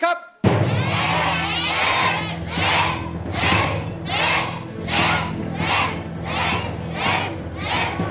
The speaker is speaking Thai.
ครับมีแฟนเขาเรียกร้อง